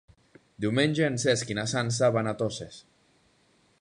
Diumenge en Cesc i na Sança van a Toses.